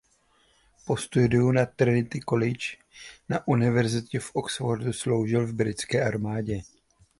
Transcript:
Po studiu na Trinity College na univerzitě v Oxfordu sloužil v Britské armádě.